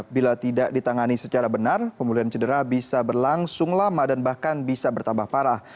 bila tidak ditangani secara benar pemulihan cedera bisa berlangsung lama dan bahkan bisa bertambah parah